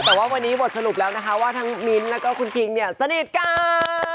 แต่ว่าวันนี้บทสรุปแล้วนะคะว่าทั้งมิ้นท์แล้วก็คุณคิงเนี่ยสนิทกัน